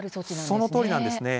そのとおりなんですね。